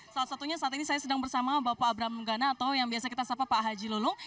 salah satunya saat ini saya sedang bersama bapak abraham gana atau yang biasa kita sapa pak haji lulung